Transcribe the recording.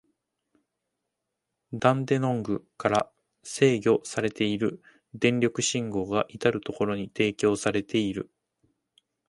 ダンデノングから制御されている電力信号が、至る所に提供されている。